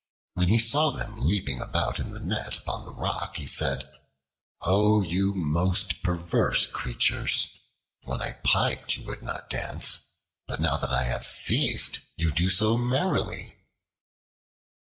When he saw them leaping about in the net upon the rock he said: "O you most perverse creatures, when I piped you would not dance, but now that I have ceased you do so merrily."